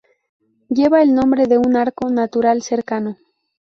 Lleva el nombre de un arco natural cercano.